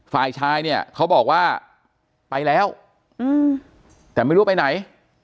ฝ่ายชายเนี่ยเขาบอกว่าไปแล้วแต่ไม่รู้ว่าไปไหน